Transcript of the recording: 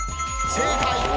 正解。